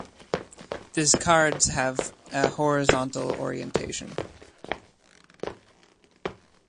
These cards have a horizontal orientation.